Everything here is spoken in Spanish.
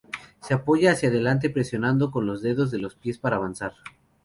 Se apoya hacia adelante presionando con los dedos de los pies para avanzar.